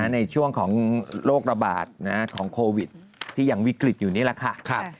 ในช่วงของโรคระบาดของโควิดที่ยังวิกฤตอยู่นี่แหละค่ะ